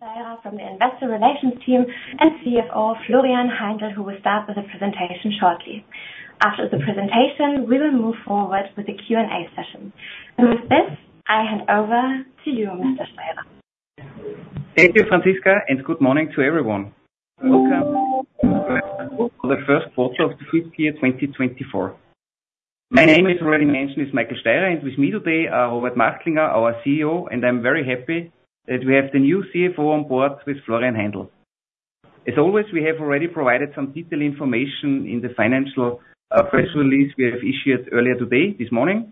Hi, I'm Francesca from the Investor Relations Team and CFO Florian Heindl, who will start with a presentation shortly. After the presentation, we will move forward with the Q&A session. With this, I hand over to you, Mr. Steirer. Thank you, Francesca, and good morning to everyone. Welcome to the first quarter of the fiscal year 2024. My name, already mentioned, is Michael Steirer, and with me today are Robert Machtlinger, our CEO, and I'm very happy that we have the new CFO on board, with Florian Heindl. As always, we have already provided some detailed information in the financial press release we have issued earlier today, this morning.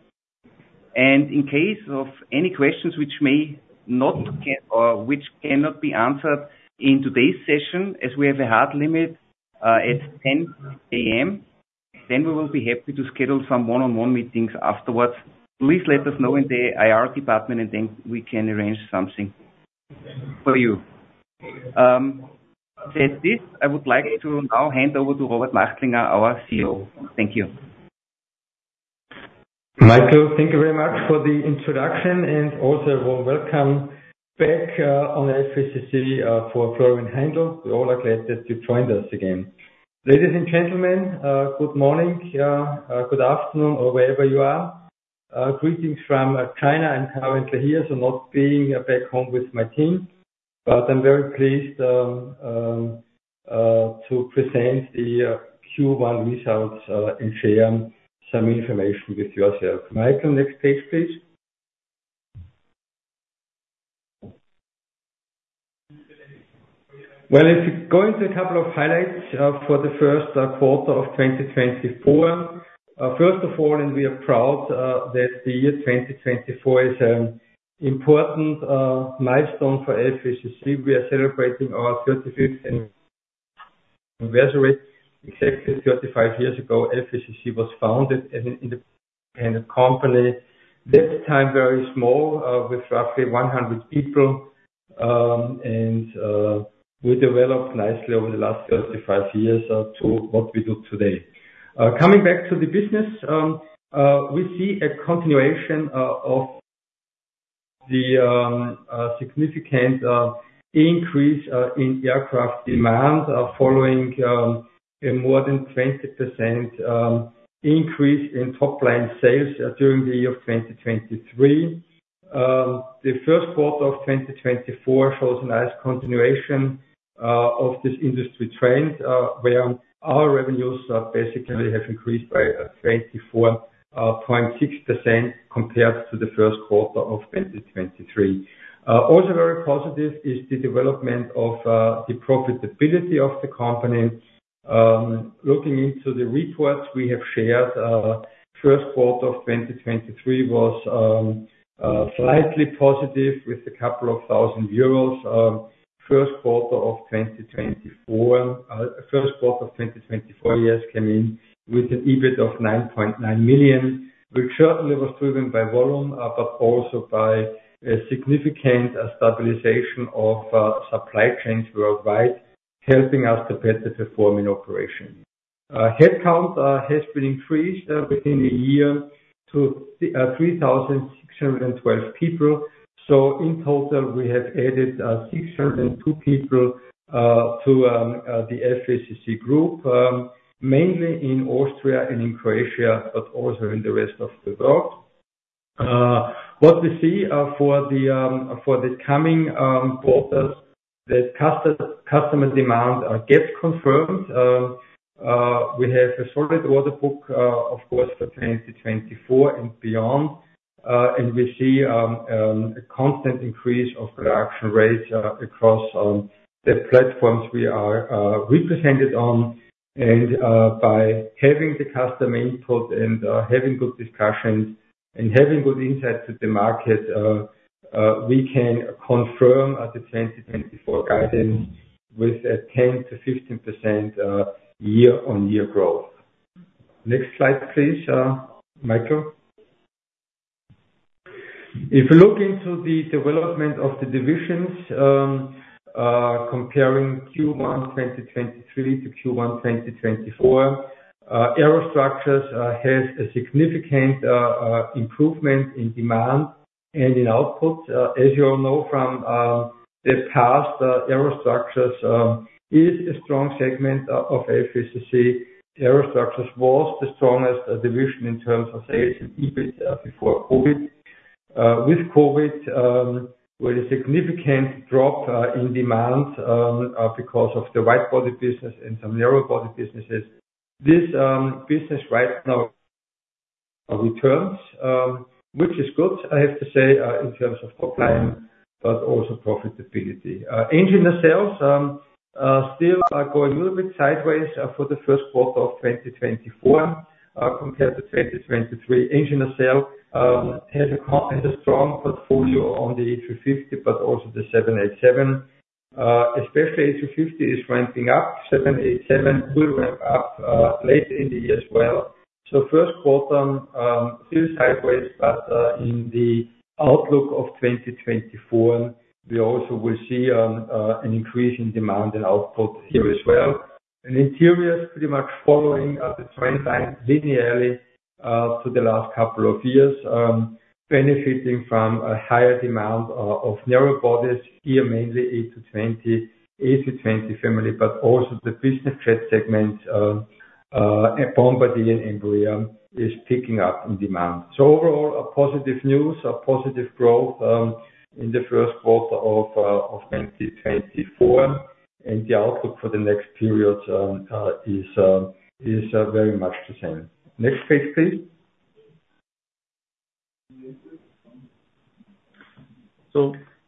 In case of any questions which may not be answered in today's session, as we have a hard limit at 10:00 A.M., then we will be happy to schedule some one-on-one meetings afterwards. Please let us know in the IR department, and then we can arrange something for you. Said this, I would like to now hand over to Robert Machtlinger, our CEO. Thank you. Michael, thank you very much for the introduction, and also a warm welcome back on FACC for Florian Heindl. We're all glad that you joined us again. Ladies and gentlemen, good morning, good afternoon, or wherever you are. Greetings from China and currently here, so not being back home with my team, but I'm very pleased to present the Q1 results and share some information with yourself. Michael, next page, please. Well, if you go into a couple of highlights for the first quarter of 2024, first of all, and we are proud that the year 2024 is an important milestone for FACC. We are celebrating our 35th anniversary. Exactly 35 years ago, FACC was founded as an independent company, at that time very small, with roughly 100 people, and we developed nicely over the last 35 years to what we do today. Coming back to the business, we see a continuation of the significant increase in aircraft demand following a more than 20% increase in top-line sales during the year of 2023. The first quarter of 2024 shows a nice continuation of this industry trend, where our revenues basically have increased by 24.6% compared to the first quarter of 2023. Also very positive is the development of the profitability of the company. Looking into the reports we have shared, first quarter of 2023 was slightly positive with a couple of thousand Euros. First quarter of 2024, yes, came in with an EBIT of 9.9 million, which certainly was driven by volume, but also by a significant stabilization of supply chains worldwide, helping us to better perform in operation. Headcount has been increased within the year to 3,612 people. So in total, we have added 602 people to the FACC Group, mainly in Austria and in Croatia, but also in the rest of the world. What we see for the coming quarters is that customer demand gets confirmed. We have a solid order book, of course, for 2024 and beyond, and we see a constant increase of production rates across the platforms we are represented on. And by having the customer input and having good discussions and having good insight to the market, we can confirm the 2024 guidance with a 10%-15% year-on-year growth. Next slide, please, Michael. If we look into the development of the divisions, comparing Q1 2023 to Q1 2024, Aerostructures has a significant improvement in demand and in outputs. As you all know from the past, Aerostructures is a strong segment of FACC. Aerostructures was the strongest division in terms of sales and EBIT before COVID. With COVID, with a significant drop in demand because of the wide-body business and some narrow-body businesses, this business right now returns, which is good, I have to say, in terms of top-line but also profitability. Engines & Nacelles still are growing a little bit sideways for the first quarter of 2024 compared to 2023. Engines & Nacelles has a strong portfolio on the A350 but also the 787. Especially A350 is ramping up. 787 will ramp up late in the year as well. So first quarter still sideways, but in the outlook of 2024, we also will see an increase in demand and output here as well. Interiors pretty much following the trend line linearly to the last couple of years, benefiting from a higher demand of narrow-bodies, here mainly A320 family, but also the business jet segments, Bombardier and Embraer is picking up in demand. So overall, positive news, positive growth in the first quarter of 2024, and the outlook for the next periods is very much the same. Next page, please.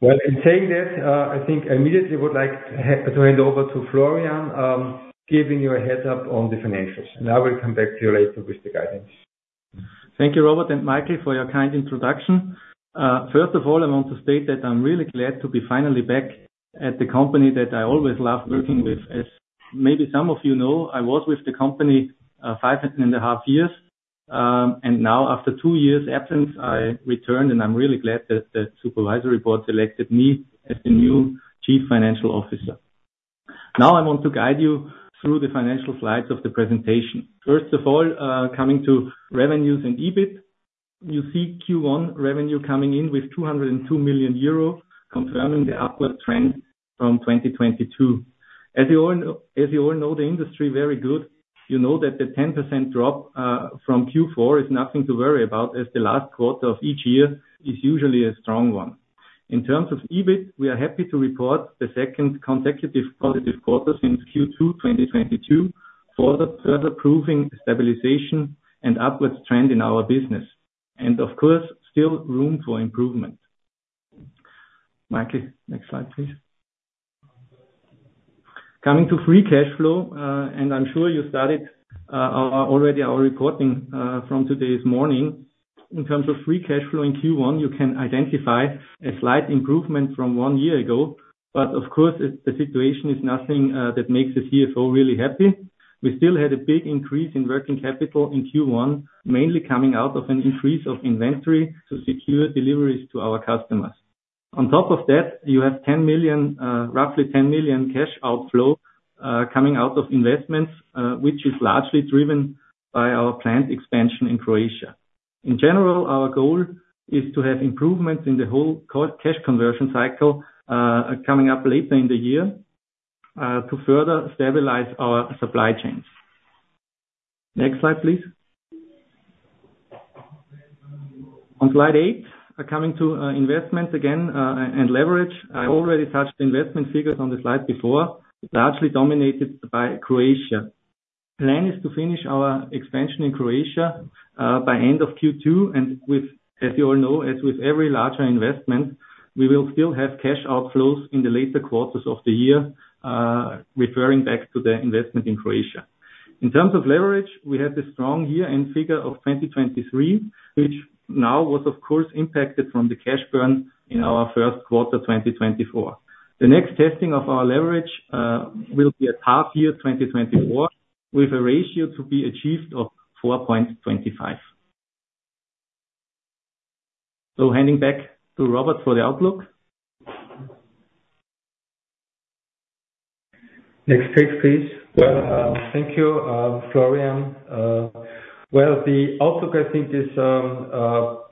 Well, in saying that, I think I immediately would like to hand over to Florian, giving you a heads-up on the financials. And I will come back to you later with the guidance. Thank you, Robert and Michael, for your kind introduction. First of all, I want to state that I'm really glad to be finally back at the company that I always loved working with. As maybe some of you know, I was with the company 5.5 years, and now, after two years' absence, I returned, and I'm really glad that the Supervisory Board selected me as the new Chief Financial Officer. Now I want to guide you through the financial slides of the presentation. First of all, coming to revenues and EBIT, you see Q1 revenue coming in with 202 million euro, confirming the upward trend from 2022. As you all know the industry very good, you know that the 10% drop from Q4 is nothing to worry about, as the last quarter of each year is usually a strong one. In terms of EBIT, we are happy to report the second consecutive positive quarter since Q2 2022, further proving stabilization and upward trend in our business, and of course, still room for improvement. Michael, next slide, please. Coming to free cash flow, and I'm sure you started already our reporting from today's morning, in terms of free cash flow in Q1, you can identify a slight improvement from one year ago, but of course, the situation is nothing that makes the CFO really happy. We still had a big increase in working capital in Q1, mainly coming out of an increase of inventory to secure deliveries to our customers. On top of that, you have roughly 10 million cash outflow coming out of investments, which is largely driven by our plant expansion in Croatia. In general, our goal is to have improvements in the whole cash conversion cycle coming up later in the year to further stabilize our supply chains. Next slide, please. On slide 8, coming to investments again and leverage, I already touched the investment figures on the slide before, largely dominated by Croatia. The plan is to finish our expansion in Croatia by end of Q2, and as you all know, as with every larger investment, we will still have cash outflows in the later quarters of the year, referring back to the investment in Croatia. In terms of leverage, we had a strong year-end figure of 2023, which now was, of course, impacted from the cash burn in our first quarter 2024. The next testing of our leverage will be at half-year 2024, with a ratio to be achieved of 4.25. So handing back to Robert for the outlook. Next page, please. Well, thank you, Florian. Well, the outlook, I think, is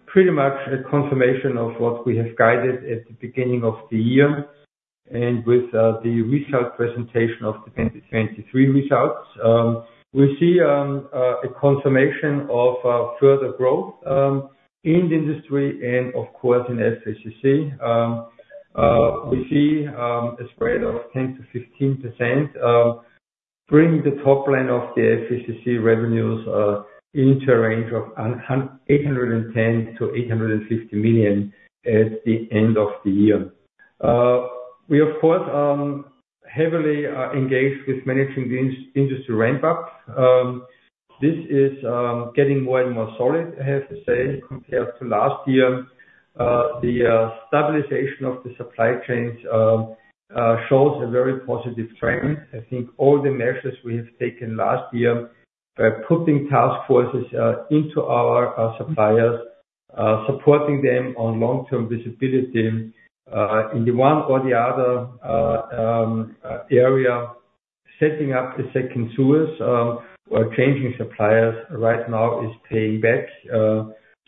pretty much a confirmation of what we have guided at the beginning of the year, and with the results presentation of the 2023 results, we see a confirmation of further growth in the industry and, of course, in FACC. We see a spread of 10%-15% bringing the top-line of the FACC revenues into a range of 810 million-850 million at the end of the year. We, of course, are heavily engaged with managing the industry ramp-up. This is getting more and more solid, I have to say, compared to last year. The stabilization of the supply chains shows a very positive trend. I think all the measures we have taken last year by putting task forces into our suppliers, supporting them on long-term visibility, in the one or the other area, setting up a second source or changing suppliers right now is paying back.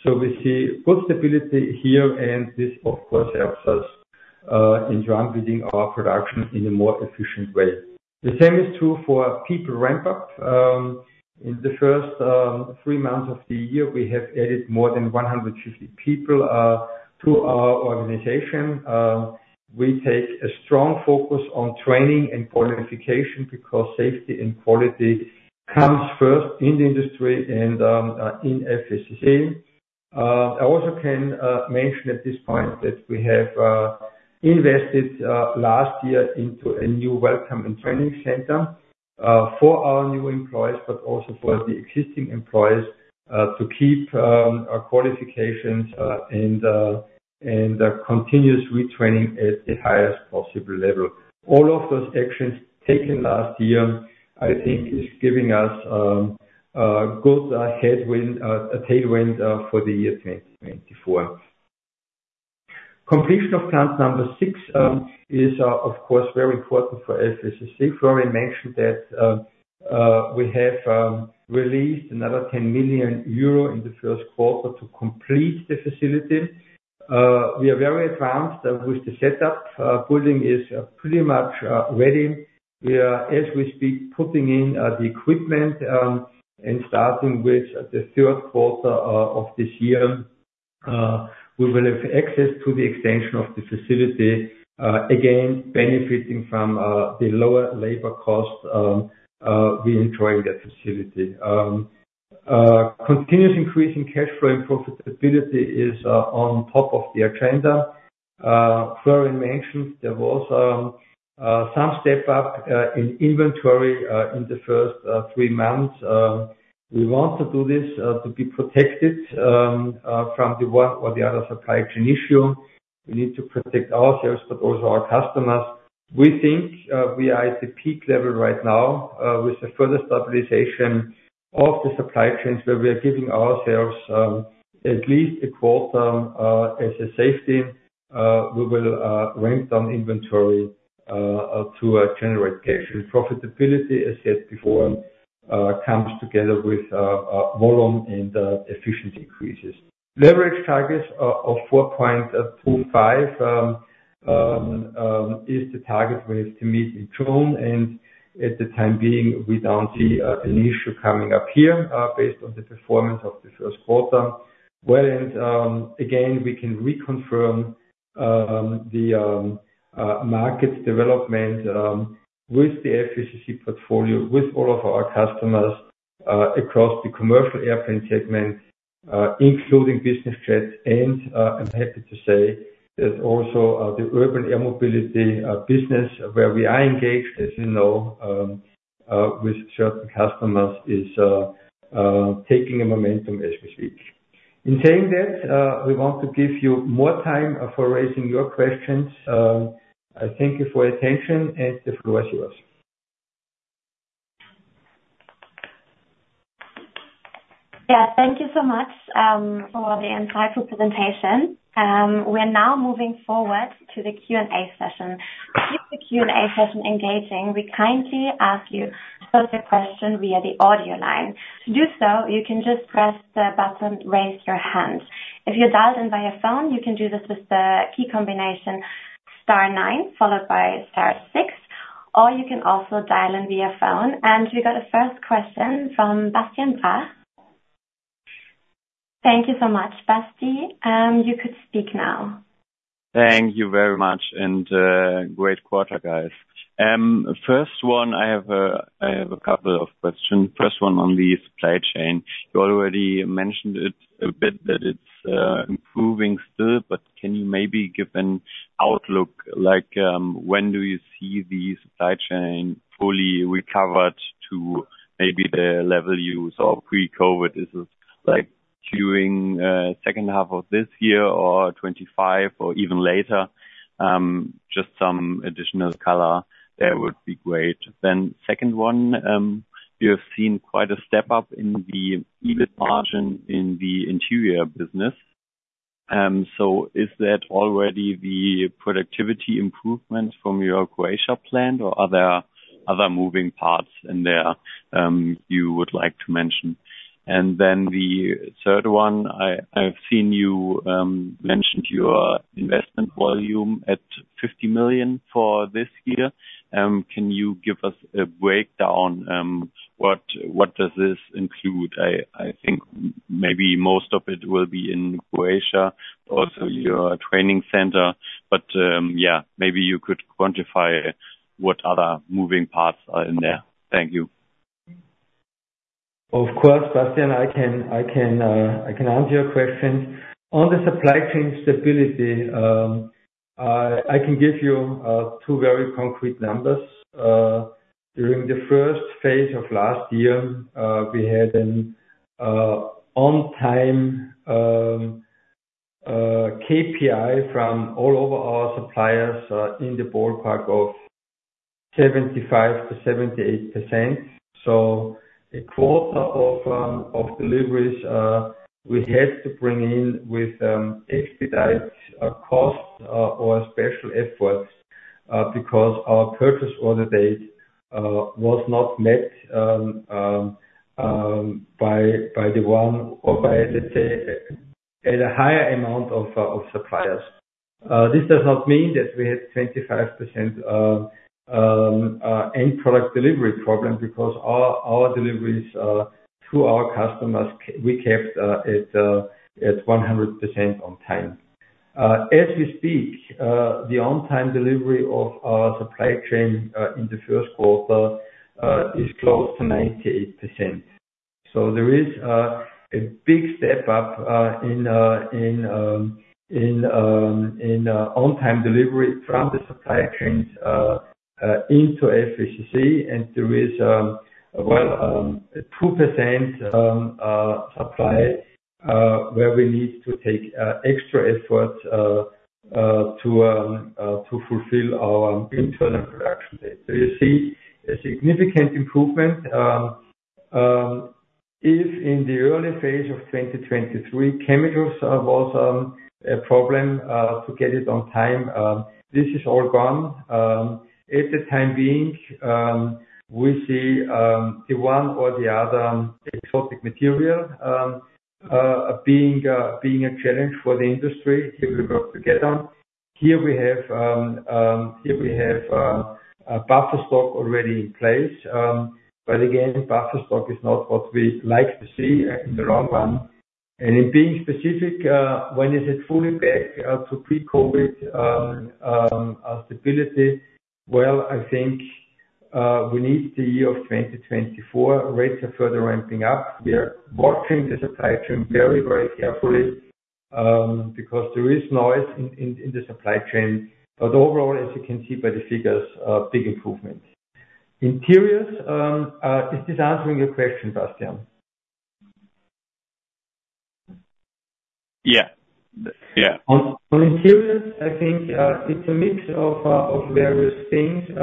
So we see good stability here, and this, of course, helps us in running our production in a more efficient way. The same is true for people ramp-up. In the first three months of the year, we have added more than 150 people to our organization. We take a strong focus on training and qualification because safety and quality come first in the industry and in FACC. I also can mention at this point that we have invested last year into a new welcome and training center for our new employees, but also for the existing employees, to keep qualifications and continuous retraining at the highest possible level. All of those actions taken last year, I think, is giving us a tailwind for the year 2024. Completion of plant number six is, of course, very important for FACC. Florian mentioned that we have released another 10 million euro in the first quarter to complete the facility. We are very advanced with the setup. Building is pretty much ready. We are, as we speak, putting in the equipment, and starting with the third quarter of this year, we will have access to the extension of the facility, again, benefiting from the lower labor costs re-entering the facility. Continuous increase in cash flow and profitability is on top of the agenda. Florian mentioned there was some step-up in inventory in the first three months. We want to do this to be protected from the one or the other supply chain issue. We need to protect ourselves, but also our customers. We think we are at the peak level right now. With the further stabilization of the supply chains, where we are giving ourselves at least a quarter as a safety, we will ramp down inventory to generate cash. And profitability, as said before, comes together with volume and efficiency increases. Leverage targets of 4.25 is the target we have to meet in June, and at the time being, we don't see an issue coming up here based on the performance of the first quarter. Well, and again, we can reconfirm the market development with the FACC portfolio, with all of our customers across the commercial airplane segment, including business jets, and I'm happy to say that also the Urban Air Mobility business, where we are engaged, as you know, with certain customers, is taking a momentum as we speak. In saying that, we want to give you more time for raising your questions. I thank you for your attention, and the floor is yours. Yeah, thank you so much for the insightful presentation. We are now moving forward to the Q&A session. To keep the Q&A session engaging, we kindly ask you to pose your question via the audio line. To do so, you can just press the button "Raise Your Hand." If you're dialed in via phone, you can do this with the key combination star 9 followed by star 6, or you can also dial in via phone. We got a first question from Bastian Brach. Thank you so much, Basti. You could speak now. Thank you very much, and great quarter, guys. First one, I have a couple of questions. First one on the supply chain. You already mentioned it a bit that it's improving still, but can you maybe give an outlook? When do you see the supply chain fully recovered to maybe the level you saw pre-COVID? Is it during the second half of this year or 2025 or even later? Just some additional color, that would be great. Then second one, you have seen quite a step-up in the EBIT margin in the interior business. So is that already the productivity improvement from your Croatia plant, or are there other moving parts in there you would like to mention? And then the third one, I have seen you mentioned your investment volume at 50 million for this year. Can you give us a breakdown? What does this include? I think maybe most of it will be in Croatia, also your training center. But yeah, maybe you could quantify what other moving parts are in there. Thank you. Of course, Bastian, I can answer your questions. On the supply chain stability, I can give you two very concrete numbers. During the first phase of last year, we had an on-time KPI from all over our suppliers in the ballpark of 75%-78%. So a quarter of deliveries we had to bring in with expedite costs or special efforts because our purchase order date was not met by the one or by, let's say, a higher amount of suppliers. This does not mean that we had 25% end product delivery problem because our deliveries to our customers, we kept at 100% on time. As we speak, the on-time delivery of our supply chain in the first quarter is close to 98%. So there is a big step-up in on-time delivery from the supply chains into FACC, and there is, well, 2% supply where we need to take extra efforts to fulfill our internal production date. So you see a significant improvement. If in the early phase of 2023, chemicals was a problem to get it on time, this is all gone. At the time being, we see the one or the other exotic material being a challenge for the industry if we work together. Here we have buffer stock already in place, but again, buffer stock is not what we like to see in the long run. And in being specific, when is it fully back to pre-COVID stability? Well, I think we need the year of 2024. Rates are further ramping up. We are watching the supply chain very, very carefully because there is noise in the supply chain. But overall, as you can see by the figures, big improvement. Interiors, is this answering your question, Bastian? Yeah. Yeah. On interiors, I think it's a mix of various things.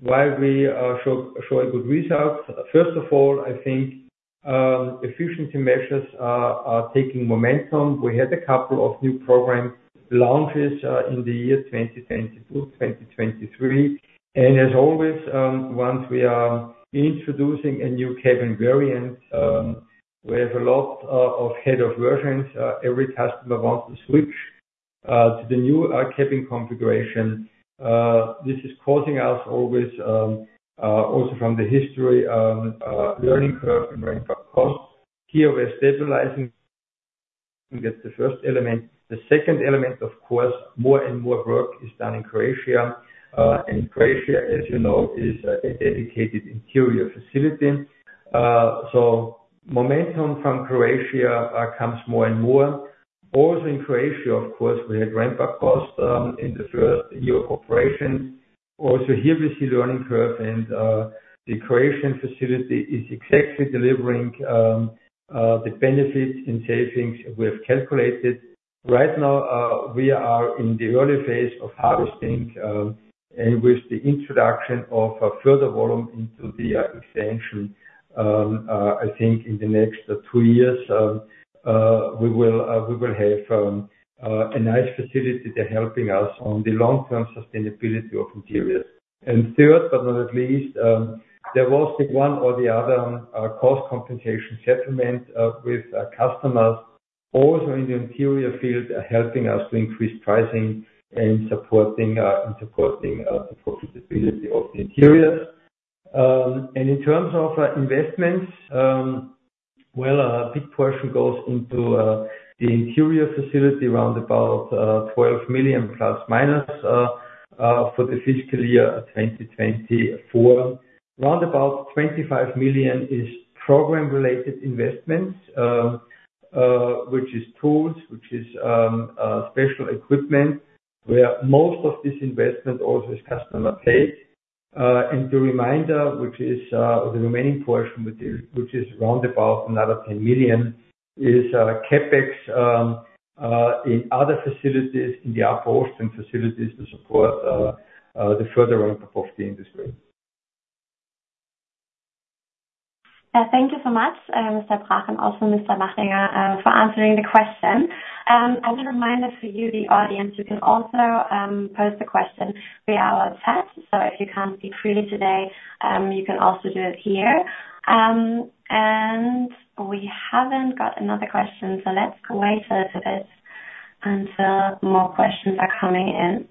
Why we show a good result, first of all, I think efficiency measures are taking momentum. We had a couple of new program launches in the year 2022, 2023. As always, once we are introducing a new cabin variant, we have a lot of Heads of Version. Every customer wants to switch to the new cabin configuration. This is causing us always, also from the history, learning curve and ramp-up costs. Here, we are stabilizing at the first element. The second element, of course, more and more work is done in Croatia. Croatia, as you know, is a dedicated interior facility. Momentum from Croatia comes more and more. Also in Croatia, of course, we had ramp-up costs in the first year of operations. Also here, we see learning curve, and the Croatian facility is exactly delivering the benefits and savings we have calculated. Right now, we are in the early phase of harvesting, and with the introduction of further volume into the extension, I think in the next two years, we will have a nice facility there helping us on the long-term sustainability of interiors. And third, but not least, there was the one or the other cost compensation settlement with customers, also in the interior field, helping us to increase pricing and supporting the profitability of the interiors. And in terms of investments, well, a big portion goes into the interior facility, round about 12 million ± for the fiscal year 2024. Round about 25 million is program-related investments, which is tools, which is special equipment, where most of this investment also is customer-paid. The reminder, which is the remaining portion, which is round about another 10 million, is CapEx in other facilities in the Upper Austrian facilities to support the further ramp-up of the industry. Yeah, thank you so much, Mr. Brach, also Mr. Machtlinger, for answering the question. As a reminder for you, the audience, you can also pose the question via our chat. So if you can't speak freely today, you can also do it here. And we haven't got another question, so let's wait a little bit until more questions are coming in.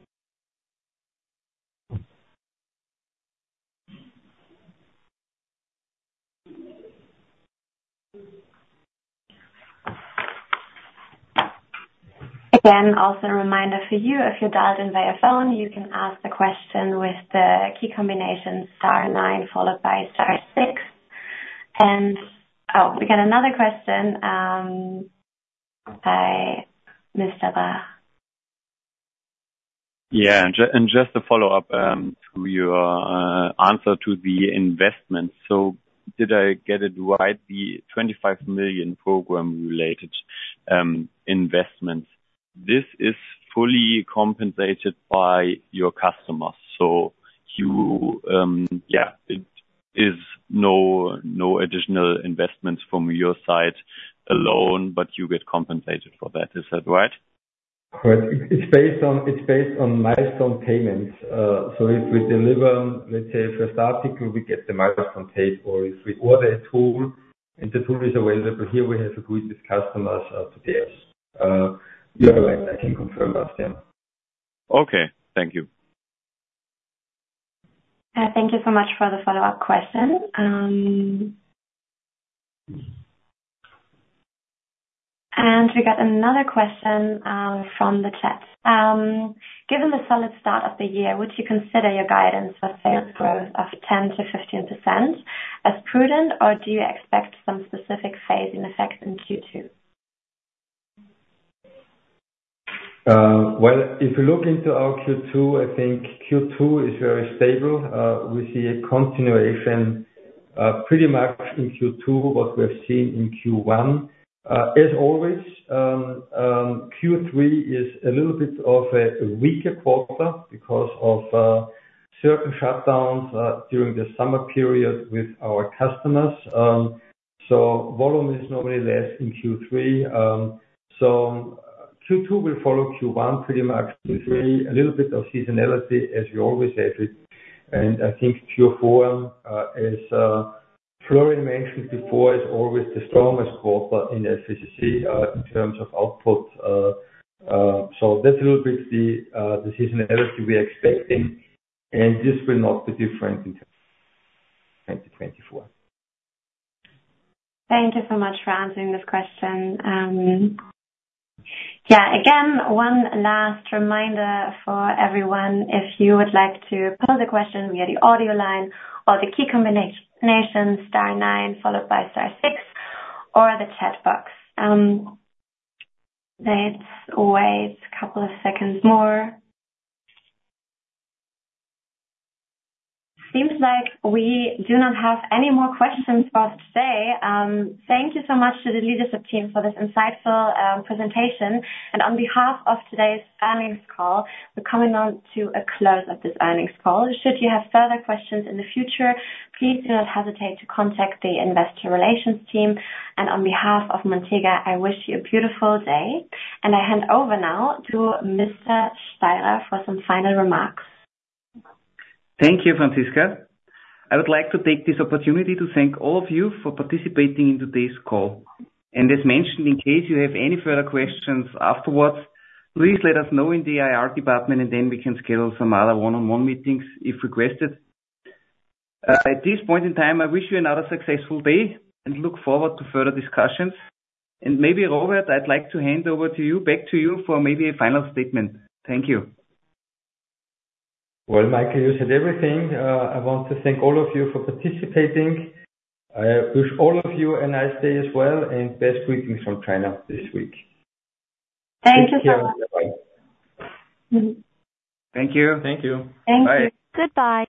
Again, also a reminder for you, if you're dialed in via phone, you can ask the question with the key combination star 9 followed by star 6. And oh, we got another question by Mr. Brach. Yeah. And just to follow up to your answer to the investments, so did I get it right, the 25 million program-related investments, this is fully compensated by your customers. So yeah, it is no additional investments from your side alone, but you get compensated for that. Is that right? Correct. It's based on milestone payments. So if we deliver, let's say, First Article, we get the milestone paid, or if we order a tool, and the tool is available here, we have agreed with customers to pay us. You're right. I can confirm, Bastian. Okay. Thank you. Thank you so much for the follow-up question. We got another question from the chat. Given the solid start of the year, would you consider your guidance for sales growth of 10%-15% as prudent, or do you expect some specific phasing effects in Q2? Well, if you look into our Q2, I think Q2 is very stable. We see a continuation pretty much in Q2, what we have seen in Q1. As always, Q3 is a little bit of a weaker quarter because of certain shutdowns during the summer period with our customers. So volume is normally less in Q3. So Q2 will follow Q1, pretty much Q3, a little bit of seasonality, as we always have it. And I think Q4, as Florian mentioned before, is always the strongest quarter in FACC in terms of output. So that's a little bit the seasonality we are expecting, and this will not be different in 2024. Thank you so much for answering this question. Yeah, again, one last reminder for everyone. If you would like to pose a question via the audio line, or the key combination star 9 followed by star 6, or the chat box. Let's wait a couple of seconds more. Seems like we do not have any more questions for us today. Thank you so much to the leadership team for this insightful presentation. And on behalf of today's earnings call, we're coming on to a close of this earnings call. Should you have further questions in the future, please do not hesitate to contact the Investor Relations team. And on behalf of Montega, I wish you a beautiful day. And I hand over now to Mr. Steirer for some final remarks. Thank you, Francesca. I would like to take this opportunity to thank all of you for participating in today's call. And as mentioned, in case you have any further questions afterwards, please let us know in the IR department, and then we can schedule some other one-on-one meetings if requested. At this point in time, I wish you another successful day and look forward to further discussions. And maybe, Robert, I'd like to hand over to you back to you for maybe a final statement. Thank you. Well, Michael, you said everything. I want to thank all of you for participating. I wish all of you a nice day as well and best greetings from China this week. Thank you so much. Thank you. Thank you. Thank you. Goodbye.